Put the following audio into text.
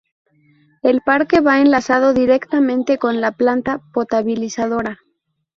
El parque va enlazado directamente con la planta potabilizadora.